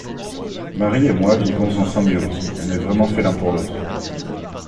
Marie et moi vivons en symbiose, on est vraiment faits l’un pour l’autre.